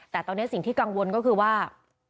แต่ตอนนี้สิ่งที่กังวลก็คือว่า